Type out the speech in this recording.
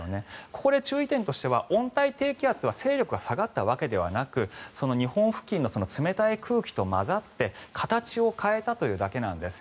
ここで注意点としては温帯低気圧は勢力が下がったわけではなく日本付近の冷たい空気と混ざって形を変えたたというだけなんです。